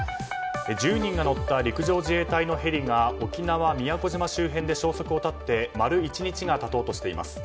１０人が乗った陸上自衛隊のヘリが沖縄・宮古島付近で消息を絶って丸１日が経とうとしています。